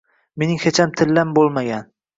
– Mening hecham tillam bo‘lmagan